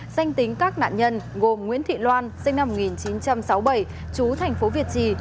danh tính các nạn nhân gồm nguyễn thị loan sinh năm một nghìn chín trăm sáu mươi bảy chú thành phố việt trì